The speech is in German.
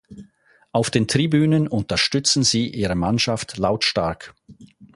Auf den Tribünen unterstützen sie ihre Mannschaft lautstark.